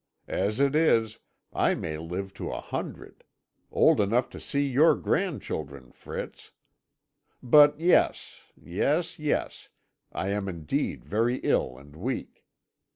As it is, I may live to a hundred old enough to see your grandchildren, Fritz. But yes, yes, yes I am indeed very ill and weak!